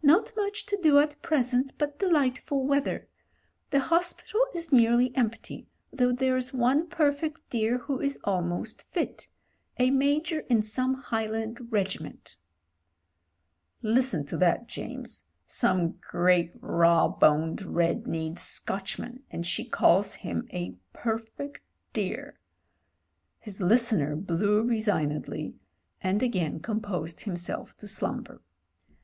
'Not much to do at present, but delightful weather. The hospital is nearly empty, though there's one perfect dear who is almost fit — a Major in some Highland regiment.' "Listen to that, James. Some great raw boned, red kneed Scotchman, and she calls him a perfect dear!" His listener blew resignedly and again com posed himself to slumber.